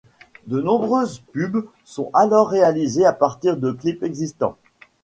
De nombreuses pubs sont alors réalisées à partir de clips existants.